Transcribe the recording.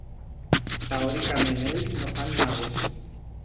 Teòricament ells no fan negoci.